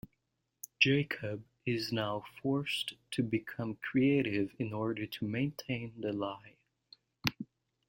Jacob is now forced to become creative in order to maintain the lie.